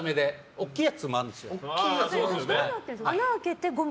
大きいやつもあるんですよ。